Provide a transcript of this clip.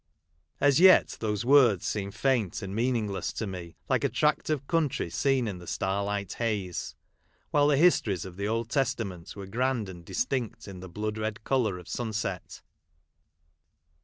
As yet, those words seemed faint and mean ingless to me, like a tract of country seen in the starlight haze ; while the histories of the Old Testament were grand and distinct in the blood red colour of sun set.